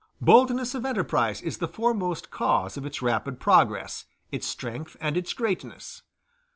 Boldness of enterprise is the foremost cause of its rapid progress, its strength, and its greatness.